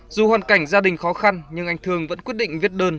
dù hoàn cảnh gia đình khó khăn nhưng anh thương vẫn quyết định viết đơn